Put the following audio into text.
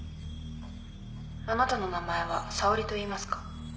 あなたの名前は沙織といいますか？